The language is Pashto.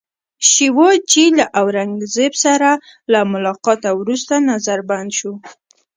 شیوا جي له اورنګزېب سره له ملاقاته وروسته نظربند شو.